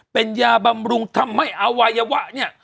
เป็นยาบำรุงทำให้อวัยวะเนี่ย